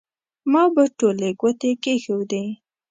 ما به ټولې ګوتې کېښودې.